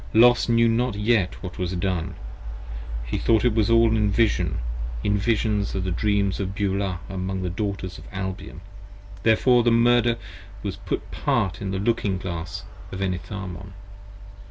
Los knew not yet what was done: he thought it was all in Vision, In Visions of the Dreams of Beulah among the Daughters of Albion, Therefore the Murder was put apart in the Looking Glass of Enitharmon.